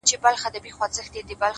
چي توري څڼي پرې راوځړوې؛